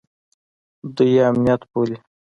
دوى يې امنيت بولي.